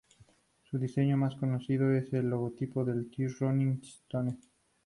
Su diseño más conocido es el logotipo de The Rolling Stones.